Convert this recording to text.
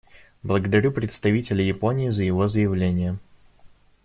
Благодарю представителя Японии за его заявление.